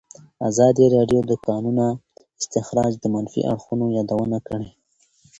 ازادي راډیو د د کانونو استخراج د منفي اړخونو یادونه کړې.